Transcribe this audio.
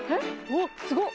おっすごっ！